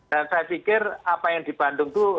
dan saya pikir apa yang di bandung itu